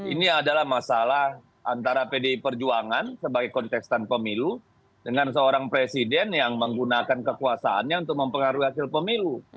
ini adalah masalah antara pdi perjuangan sebagai kontestan pemilu dengan seorang presiden yang menggunakan kekuasaannya untuk mempengaruhi hasil pemilu